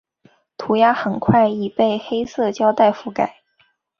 涂鸦很快已被黑色胶袋遮盖。